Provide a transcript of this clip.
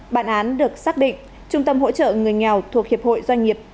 bản án được xác định trung tâm hỗ trợ người nghèo thuộc hiệp hội doanh nghiệp